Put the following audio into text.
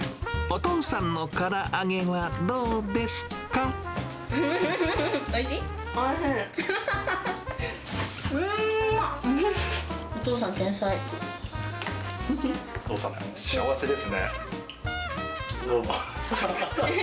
お父さんのから揚げはどうでおいしい？